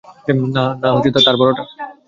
না, তার বড়টা।